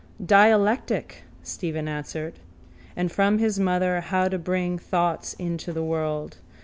—Dialectic, Stephen answered: and from his mother how to bring thoughts into the world.